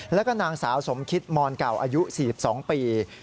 แล้วก็นางสาวสมคิตมอนเก่าอายุ๔๒ปี